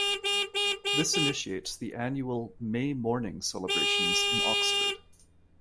This initiates the annual May Morning celebrations in Oxford.